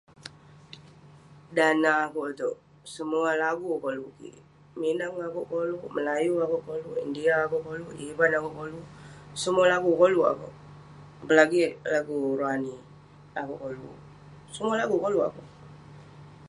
Dan neh akeuk iteuk, semua lagu koluk kik. Minang akeuk koluk, Melayu akeuk koluk, India akeuk koluk, Ivan akeuk koluk. Semua lagu koluk akeuk. Apalagik lagu rohani, akeuk koluk. Semua lagu koleuk akeuk.